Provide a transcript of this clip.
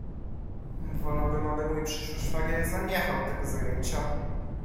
"Wolałbym, aby mój przyszły szwagier zaniechał tego zajęcia."